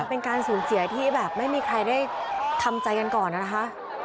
เป็นการสูญเสียที่แบบไม่มีใครได้ทำใจกันก่อนนะคะ